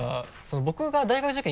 僕が大学受験